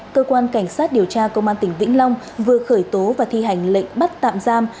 cơ quan cảnh sát điều tra công an tỉnh vĩnh long vừa khởi tố và thi hành lệnh bắt tạm giam